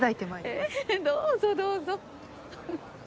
ええどうぞどうぞ。